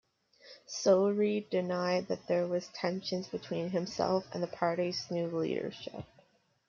Sowry denied there were tensions between himself and the party's new leadership.